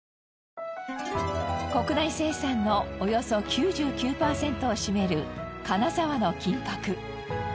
国内生産のおよそ９９パーセントを占める金沢の金箔。